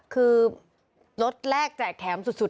คือรถแรกแจกแถมสุด